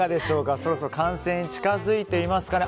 そろそろ完成に近づいていますかね。